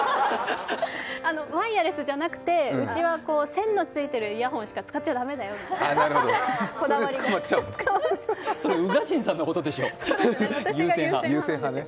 ワイヤレスじゃなくて、うちは線のあるイヤホンしか使っちゃ駄目だよって、こだわりがそれ宇賀神さんのことでしょう、有線派。